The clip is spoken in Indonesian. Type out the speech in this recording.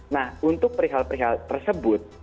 nah untuk perihal perihal tersebut